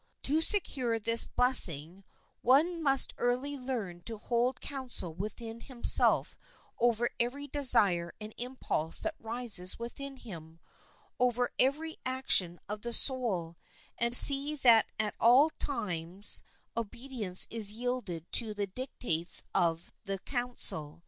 To secure this blessing, one must early learn to hold counsel within himself over every desire and impulse that rises within him, over every action of the soul, and see that at all times obedience is yielded to the dictates of this counsel.